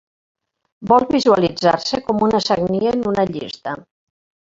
Vol visualitzar-se com una sagnia en una llista.